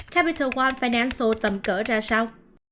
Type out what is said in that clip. capital one financial tầm cỡ ra sao